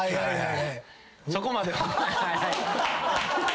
そこまで。